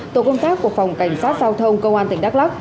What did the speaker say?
tổ công tác của phòng cảnh sát giao thông công an tỉnh đắk lắc